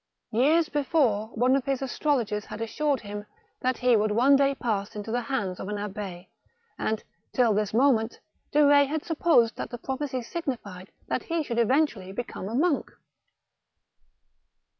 Years before, one of his astrologers had assured him that he would one day pass into the hands of an Abb6, and, till this moment, De Ketz had supposed that the prophecy signified that he should eventually become a monk.